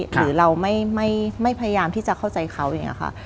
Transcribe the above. หรือเราไม่พยายามที่จะเข้าใจเขาอย่างนี้ค่ะ